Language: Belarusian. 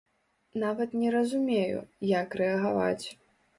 Нават не разумею, як рэагаваць.